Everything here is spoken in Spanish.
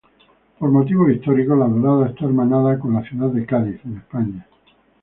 Por motivos históricos, La Dorada está hermanada con la ciudad de Cádiz, en España.